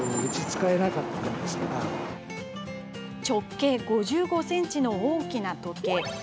直径５５ｃｍの大きな時計。